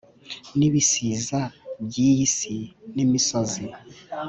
N'ibisiza by'iyi si n’imisozi